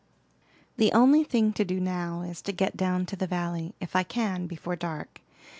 "The only thing to do now is to get down to the valley, if I can, before dark.